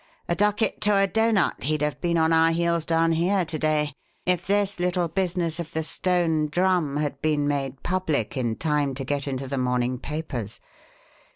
A ducat to a doughnut he'd have been on our heels down here to day if this little business of the Stone Drum had been made public in time to get into the morning papers.